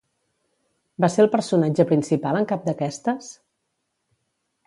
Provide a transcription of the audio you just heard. Va ser el personatge principal en cap d'aquestes?